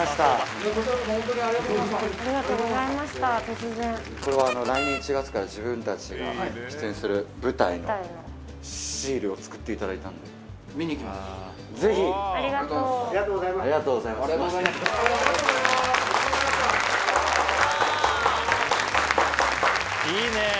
突然これは来年１月から自分たちが出演する舞台のシールを作っていただいたのでありがとういいねえ